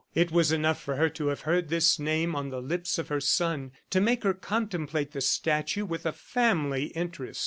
... It was enough for her to have heard this name on the lips of her son to make her contemplate the statue with a family interest.